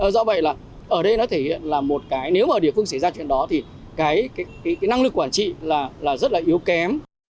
do vậy là ở đây nó thể hiện là một cái nếu mà địa phương xảy ra chuyện đó thì cái năng lực quản trị là rất là yếu kém